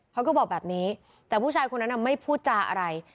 เขาก็บอกแบบนี้แต่ผู้ชายคนนั้นไม่พูดจาอะไร